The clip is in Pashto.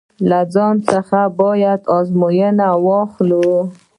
له ځان څخه باید ازموینه واخلو.